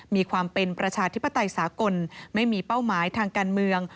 มีความเป็นประชาธิปไตยสากลไม่มีเป้าหมายทางการเมือง